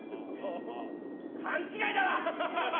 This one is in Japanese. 勘違いだわ！